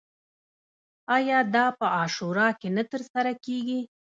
آیا دا په عاشورا کې نه ترسره کیږي؟